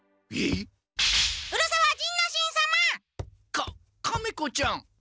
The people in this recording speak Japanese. カカメ子ちゃん。